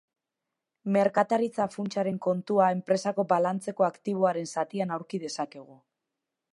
Merkataritza-funtsaren kontua, enpresako balantzeko aktiboaren zatian aurki dezakegu.